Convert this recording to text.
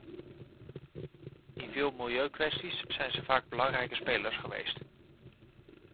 In veel milieukwesties zijn ze vaak belangrijke spelers geweest.